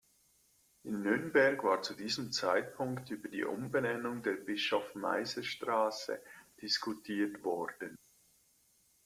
In Nürnberg war zu diesem Zeitpunkt über die Umbenennung der Bischof-Meiser-Straße diskutiert worden.